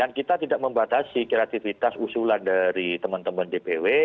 dan kita tidak membatasi kreativitas usulan dari teman teman dpw